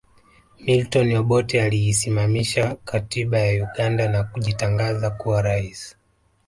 Milton Obote aliisimamisha katiba ya Uganda na kujitangaza kuwa rais